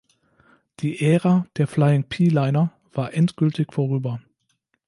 Die Ära der Flying P-Liner war endgültig vorüber.